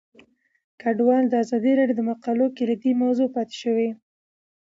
کډوال د ازادي راډیو د مقالو کلیدي موضوع پاتې شوی.